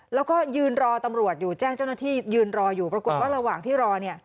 และยืนรอตำรวจจ้างเจ้าหน้าที่ปรากฏระหว่างที่รอ